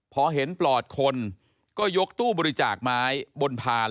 พอเห็นปลอดคนก็ยกตู้บริจาคไม้บนพาน